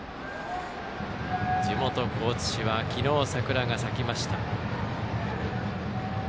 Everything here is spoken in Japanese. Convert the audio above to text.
地元・高知市は昨日、桜が咲きました。